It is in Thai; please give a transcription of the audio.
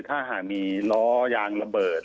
ถ้าหากมีล้อยางระเบิด